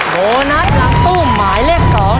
โบนัสหลังตู้หมายเลข๒